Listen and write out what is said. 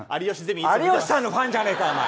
有吉さんのファンじゃねえか。